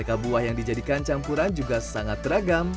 aneka buah yang dijadikan campuran juga sangat beragam